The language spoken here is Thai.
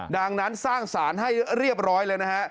ดังนั้นสร้างสารให้เรียบร้อยเลยนะฮะ